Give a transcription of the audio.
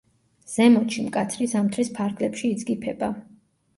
ზემოთში მკაცრი ზამთრის ფარგლებში იძგიფება.